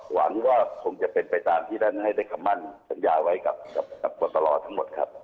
หลังว่าคงจะเป็นไปตามที่ดังนั้นให้ได้กำมันสัญญาไว้กับปวดตลอดทั้งหมดครับ